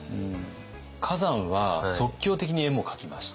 崋山は即興的に絵も描きました。